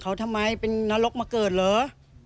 เขาทำไมเป็นนรกมาเกิดเหรอ